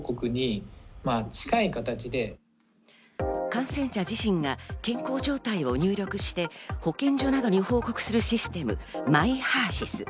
感染者自身が健康状態を入力して保健所などに報告するシステム、マイハーシス。